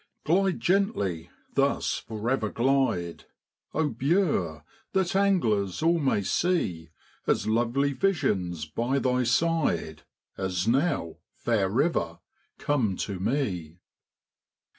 Glide gently, thus for ever glide, Bure ! that anglers all may see As lovely visions by thy side As now, fair river, come to me.'